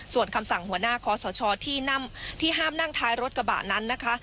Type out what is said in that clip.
ส่วนคำสั่งหัวหน้าคอสชที่ห้ามนั่งท้ายรถกระบะนั้นนะคะ